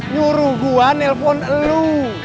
nyuruh gua nelfon lu